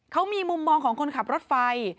เขามีมุมมองของคนขับรถไฟ